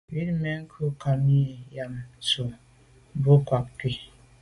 Wut mèn ghù nkam mi yàme tu, wut, mbu boa nku.